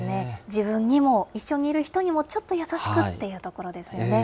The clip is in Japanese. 自分にも、一緒にいる人にも、ちょっと優しくっていうところですよね。